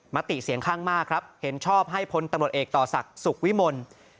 มติเสียงข้างมากครับเห็นชอบให้พลตำรวจเอกต่อศักดิ์สุขวิมล